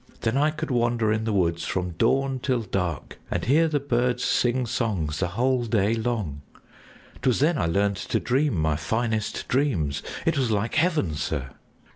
Then I could wander in the woods from dawn till dark, and hear the birds sing songs the whole day long. 'T was then I learned to dream my finest dreams; it was like heaven, sir!"